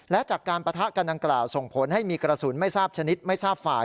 และจากการปะทะกันดังกล่าวส่งผลให้มีกระสุนไม่ทราบชนิดไม่ทราบฝ่าย